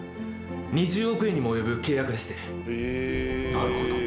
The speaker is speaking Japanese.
・なるほど。